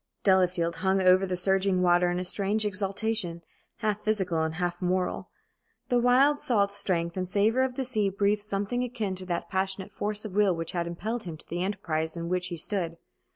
Delafield hung over the surging water in a strange exaltation, half physical, half moral. The wild salt strength and savor of the sea breathed something akin to that passionate force of will which had impelled him to the enterprise in which he stood.